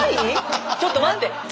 ⁉ちょっと待って！